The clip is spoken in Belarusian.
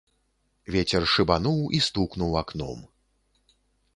Вецер шыбануў і стукнуў акном.